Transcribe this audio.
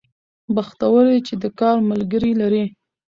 بختور يې چې د کار ملګري لرې